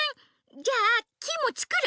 じゃあキイもつくる！